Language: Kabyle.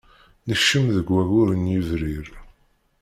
Nekcem deg waggur n yebrir.